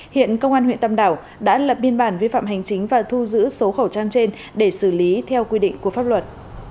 hiện công an huyện tam đảo đã lập biên bản vi phạm hành chính và thu giữ số khẩu trang trên để xử lý theo quy định của pháp luật